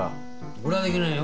俺はできないよ。